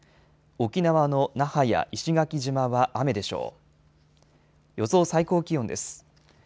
沖縄の那覇や石垣島は雨でしょう。